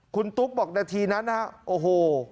คุณตุ๊กบอกนาทีนั้นนะฮะโอ้โห